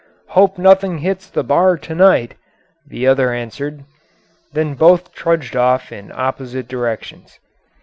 "Hope nothing hits the bar to night," the other answered. Then both trudged off in opposite directions.